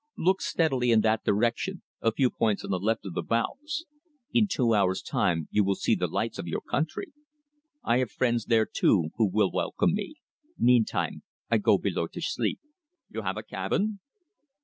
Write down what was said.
Look steadily in that direction, a few points to the left of the bows. In two hours' time you will see the lights of your country. I have friends there, too, who will welcome me. Meantime, I go below to sleep. You have a cabin?"